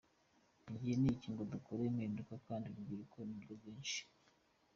Igihe ni iki ngo dukore impinduka kandi urubyiruko ni rwo rwinshi.